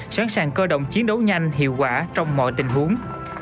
sẵn sàng cơ động chiến đấu nhanh hiệu quả trong mọi tình huống